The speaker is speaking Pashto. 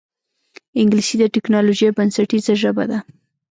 انګلیسي د ټکنالوجۍ بنسټیزه ژبه ده